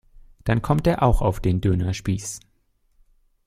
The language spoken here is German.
Dann kommt er auch auf den Dönerspieß.